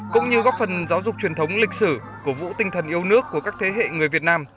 cũng như góp phần giáo dục truyền thống lịch sử cổ vũ tinh thần yêu nước của các thế hệ người việt nam